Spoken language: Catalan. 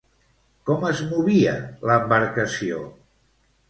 Com es movia l'embarcació?